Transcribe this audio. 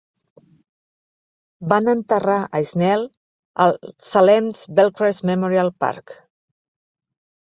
Van enterrar a Snell al Salem's Belcrest Memorial Park.